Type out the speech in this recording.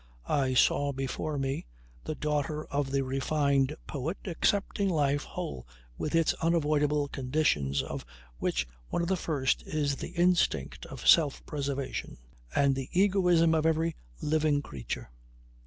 I saw before me the daughter of the refined poet accepting life whole with its unavoidable conditions of which one of the first is the instinct of self preservation and the egoism of every living creature.